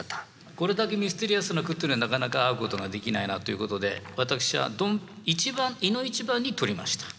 これだけミステリアスな句っていうのはなかなか会うことができないなということで私はいの一番に採りました。